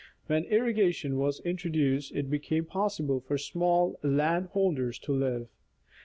When irrigation was introduced it became possible for small land holders to live.